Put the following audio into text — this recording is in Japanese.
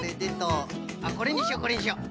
あっこれにしようこれにしよう。